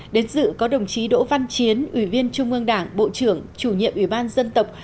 đến dự có đồng chí đỗ văn chiến ủy viên trung ương đảng bộ trưởng chủ nhiệm ủy ban dân tộc